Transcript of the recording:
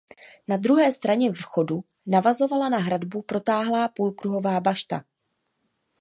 Na druhé straně vchodu navazovala na hradbu protáhlá půlkruhová bašta.